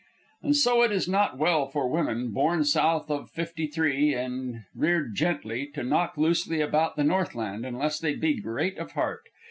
And so it is not well for women, born south of fifty three and reared gently, to knock loosely about the Northland, unless they be great of heart.